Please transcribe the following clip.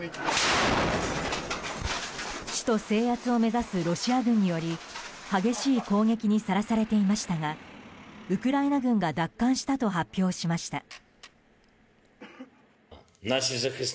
首都制圧を目指すロシア軍により激しい攻撃にさらされていましたがウクライナ軍が奪還したと発表しました。